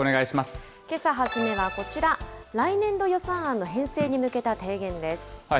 けさ初めはこちら、来年度予算案の編成に向けた提言です。